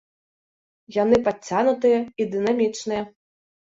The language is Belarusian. Яны падцягнутыя і дынамічныя.